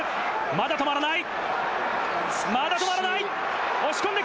まだ止まらない！